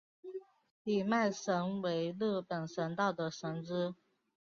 比卖神为日本神道的神只。